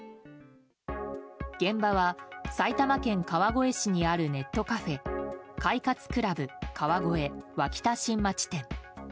現場は埼玉県川越市にあるネットカフェ快活ＣＬＵＢ川越脇田新町店。